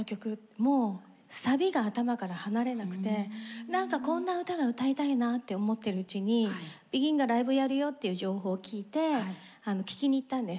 もうサビが頭から離れなくてなんかこんな歌が歌いたいなって思ってるうちにＢＥＧＩＮがライブやるよっていう情報を聞いて聴きに行ったんです。